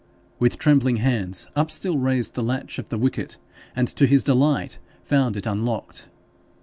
With trembling hands Upstill raised the latch of the wicket, and to his delight found it unlocked.